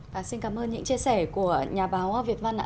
và xin cảm ơn những chia sẻ của nhà báo việt văn ạ